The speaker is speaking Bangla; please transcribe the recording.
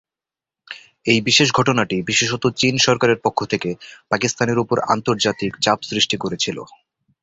এই বিশেষ ঘটনাটি বিশেষত চীন সরকারের পক্ষ থেকে পাকিস্তানের উপর আন্তর্জাতিক চাপ সৃষ্টি করেছিল।